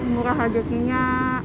murah aja gini